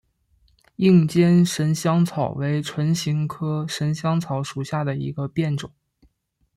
硬尖神香草为唇形科神香草属下的一个变种。